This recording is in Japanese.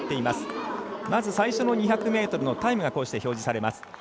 まず、最初の２００ｍのタイムが表示されます。